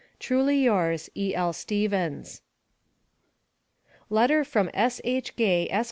Truly Yours, E.L. STEVENS. LETTER FROM S.H. GAY, ESQ.